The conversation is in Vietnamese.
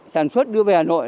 sản xuất đưa về hà nội